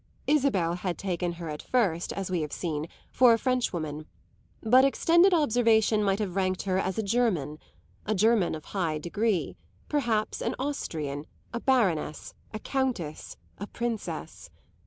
Isabel had taken her at first, as we have seen, for a Frenchwoman; but extended observation might have ranked her as a German a German of high degree, perhaps an Austrian, a baroness, a countess, a princess.